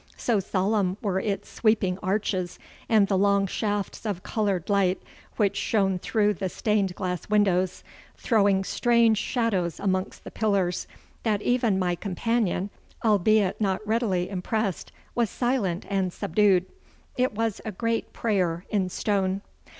So solemn were its sweeping arches and the long shafts of coloured light which shone through the stained glass windows, throwing strange shadows amongst the pillars, that even my companion, albeit not readily impressed, was silent and subdued. It was a great prayer in stone.